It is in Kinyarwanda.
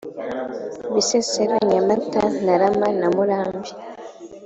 bisesero nyamata ntarama na murambi